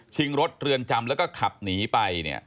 ชิงรถเรือนจำแล้วก็ขับหนีไป